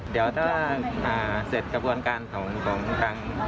เดี๋ยวถ้าเสร็จกรรภ์การของของกลาง